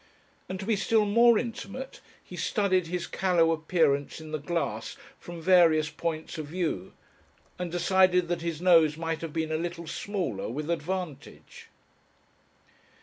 And, to be still more intimate, he studied his callow appearance in the glass from various points of view, and decided that his nose might have been a little smaller with advantage....